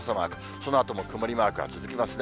そのあとも曇りマークが続きますね。